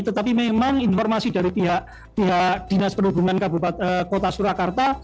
tetapi memang informasi dari pihak dinas perhubungan kota surakarta